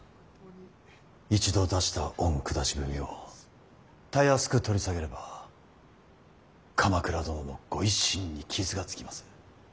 一度出した御下文をたやすく取り下げれば鎌倉殿のご威信に傷がつきます。